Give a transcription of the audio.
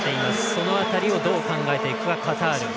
その辺りをどう考えていくかカタール。